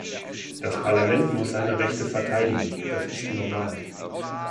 Das Parlament muss seine Rechte verteidigen, das ist normal.